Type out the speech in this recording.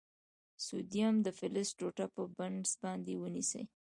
د سوډیم د فلز ټوټه په پنس باندې ونیسئ.